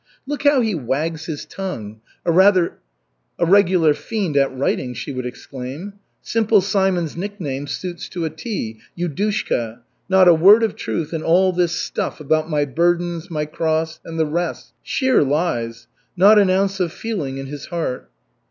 "Look how he wags his tongue, a regular fiend at writing!" she would exclaim. "Simple Simon's nickname suits to a tee Yudushka! Not a word of truth in all this stuff about my burdens, my cross, and the rest. Sheer lies! Not an ounce of feeling in his heart!"